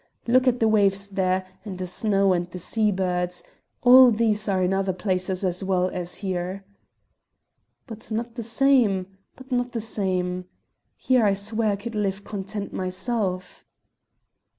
Look at the waves there, and the snow and the sea birds! All these are in other places as well as here." "But not the same, but not the same! Here I swear I could live content myself."